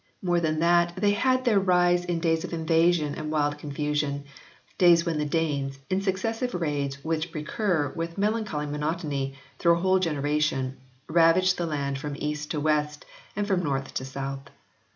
More than that they had their rise in days of invasion and wild confusion, days when the Danes, in successive raids which recur with melancholy monotony through a whole generation, ravaged the land from east to west and from north to south.